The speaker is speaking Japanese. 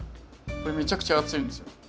これめちゃくちゃ暑いんですよ。